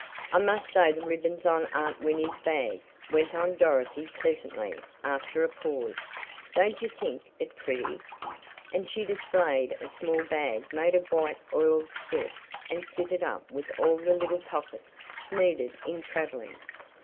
"I must sew the ribbons on Aunt Winnie's bag," went on Dorothy pleasantly after a pause. "Don't you think it pretty?" and she displayed a small bag made of white oiled silk and fitted up with all the little pockets needed in traveling.